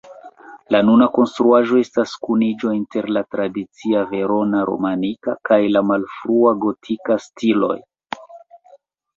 La nuna konstruaĵo estas kuniĝo inter la tradicia verona-romanika kaj la malfrua gotika stiloj.